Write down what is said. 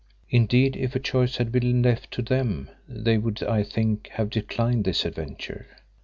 Indeed, if a choice had been left to them, they would, I think, have declined this adventure.